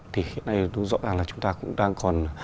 thì hiện nay rõ ràng là chúng ta cũng đang còn